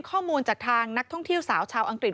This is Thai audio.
ข้อมูลจากทางนักท่องเที่ยวสาวชาวอังกฤษ